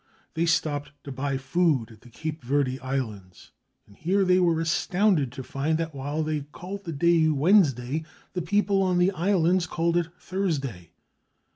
They stopped to buy food at the Cape Verde Islands, and here they were astounded to find that while they called the day Wednesday, the people on the Islands called it Thursday.